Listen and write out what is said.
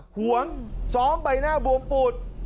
หวงซ้อมใบหน้าบวมปูด